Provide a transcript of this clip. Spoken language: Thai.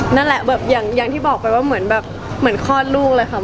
นั่นแหละอย่างที่บอกไปว่าเหมือนคลอดลูกเลยค่ะ